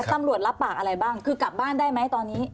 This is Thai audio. ตำรวจรับปากอะไรบ้างคือกลับบ้านได้ไหมตอนนี้